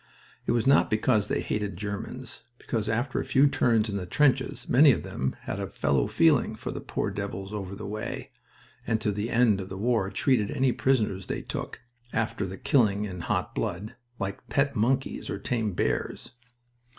It was not because they hated Germans, because after a few turns in the trenches many of them had a fellow feeling for the poor devils over the way, and to the end of the war treated any prisoners they took (after the killing in hot blood) like pet monkeys or tame bears.